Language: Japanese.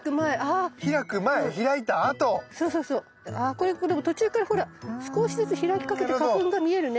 これでも途中からほら少しずつ開きかけて花粉が見えるね。